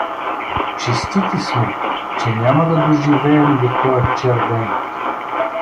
— Честити сме, че няма да доживеем до тоя чер ден.